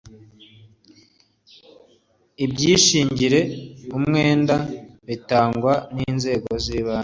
ibyishingire umwenda bitangwa n inzego z ibanze